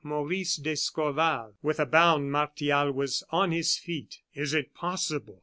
Maurice d'Escorval. With a bound, Martial was on his feet. "Is it possible?"